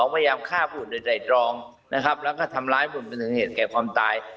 ๒พยายามฆ่าผู้หญิงใดรองแล้วก็ทำร้ายผู้หญิงเป็นเหตุเหตุแก่ความตาย